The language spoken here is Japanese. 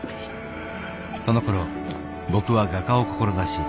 そのころ僕は画家を志し